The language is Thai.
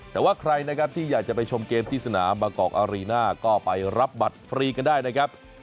แต่ว่าใครนะครับที่อยากจะไปชมเกมที่สนามบางกอกอารีน่าก็ไปรับบัตรฟรีกันได้นะครับ